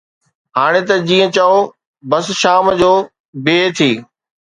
هاڻي ته جيئن چئو، بس شام جو بيهي ٿي